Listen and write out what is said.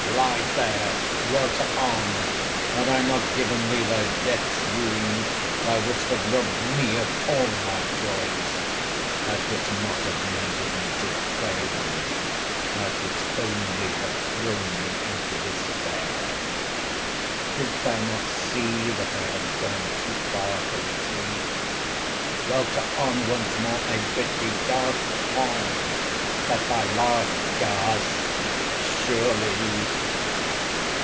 Lie there!—Welter on!—Had I not given thee thy death's wound, thou wouldest have robbed me of all my joys. Thou couldest not have mended me, 'tis plain. Thou couldest only have thrown me into despair. Didst thou not see, that I had gone too far to recede?—Welter on, once more I bid thee!—Gasp on!—That thy last gasp, surely!